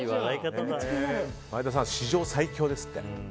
前田さん、史上最強ですって。